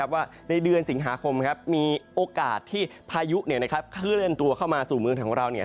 ว่าในเดือนสิงหาคมมีโอกาสที่พายุเคลื่อนตัวเข้ามาสู่เมืองของเรา